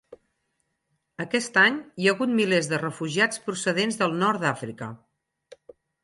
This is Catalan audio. Aquest any hi ha hagut milers de refugiats procedents del Nord d'Àfrica.